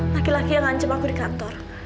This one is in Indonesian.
laki laki yang ngancem aku di kantor